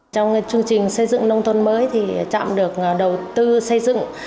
trong chương trình xây dựng nông thuật mới thì trạm được đầu tư xây dựng